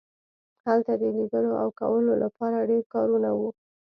هلته د لیدلو او کولو لپاره ډیر کارونه وو